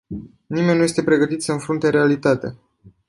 Nimeni nu este pregătit să înfrunte realitatea.